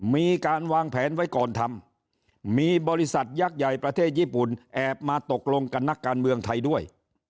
มีการวางแผนไว้ก่อนทำมีบริษัทยักษ์ใหญ่ประเทศญี่ปุ่นแอบมาตกลงกับนักการเมืองไทยด้วย